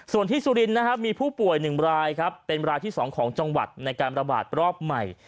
ส่วนที่สุรินทร์นะครับมีผู้ป่วย๑รายครับเป็นรายที่๒ของจังหวัดในการระบาดรอบใหม่